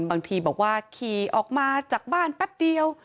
บางทีบอกว่าขี่ออกมาจากบ้านแป๊บเดียว